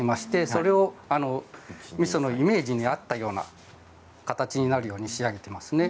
それをみそのイメージに合ったような形になるように仕上げています。